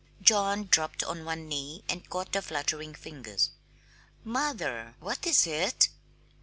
John dropped on one knee and caught the fluttering fingers. "Mother, what is it?"